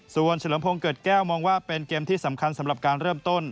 ส่วนเฉลิมพงศ์เกิดแก้วมองว่าเป็นเกมที่สำคัญสำหรับการเริ่มต้น